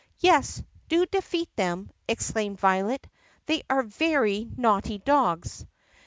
"Yes, do defeat them!" exclaimed Violet. "They are very naughty dogs."